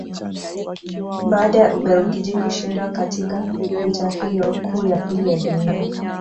Baada ya Ubelgiji kushindwa katika vita hiyo kuu ya pili ya Dunia